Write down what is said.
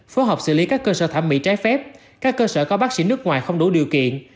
phối hợp xử lý các cơ sở thẩm mỹ trái phép các cơ sở có bác sĩ nước ngoài không đủ điều kiện